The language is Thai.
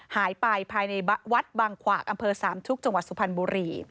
หายไปภายในวัดบางขวากอำเภอสามชุกจังหวัดสุพรรณบุรี